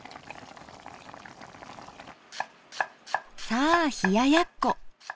さあ冷ややっこ。